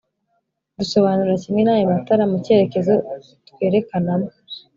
dusobanura kimwe n’ayo matara mucyerekezo twerekanamo